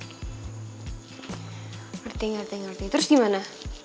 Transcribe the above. ngerti ngerti ngerti terus gimana